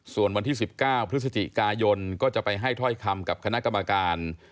ส่วนวันที่๑๙พฤศจิกายนก็จะไปให้ถ้อยคำกับคณะกรรมการ